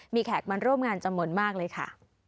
มีแขกมาร่วมงานจำนวนมากเลยค่ะ